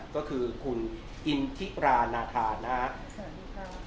ก็คือคุณอินทิราณาธานะสวัสดีครับ